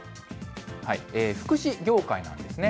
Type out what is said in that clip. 福祉業界なんですね。